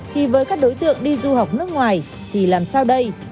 thì với các đối tượng đi du học nước ngoài thì làm sao đây